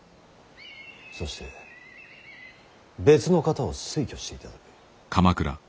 そして別の方を推挙していただく。